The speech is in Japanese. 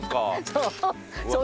そう。